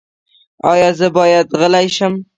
ایا زه باید غلی شم؟